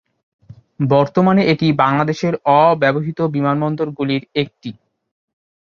বর্তমানে এটি বাংলাদেশের অব্যবহৃত বিমানবন্দরগুলির একটি।